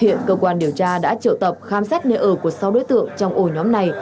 hiện cơ quan điều tra đã triệu tập khám xét nơi ở của sáu đối tượng trong ổ nhóm này